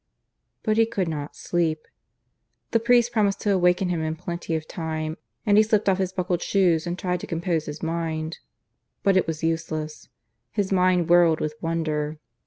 But he could not sleep. The priest promised to awaken him in plenty of time, and he slipped off his buckled shoes and tried to compose his mind. But it was useless. His mind whirled with wonder.